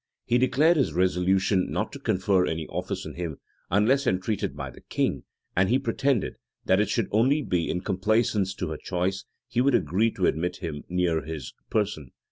He declared his resolution not to confer any office on him, unless entreated by the queen; and he pretended, that it should only be in complaisance to her choice he would agree to admit him near his person.